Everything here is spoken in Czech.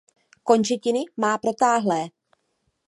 Končetiny má protáhlé.